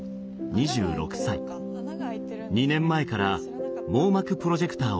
２年前から網膜プロジェクターを使っています。